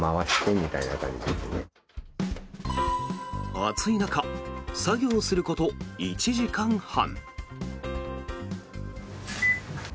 暑い中作業すること１時間半。